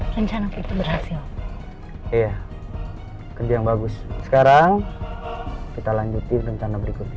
rencana kita berhasil iya kerja yang bagus sekarang kita lanjuti rencana berikutnya